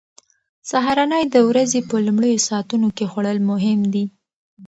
سهارنۍ د ورځې په لومړیو ساعتونو کې خوړل مهم دي.